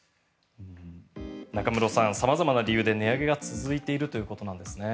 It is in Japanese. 中室さん、様々な理由で値上げが続いているということなんです。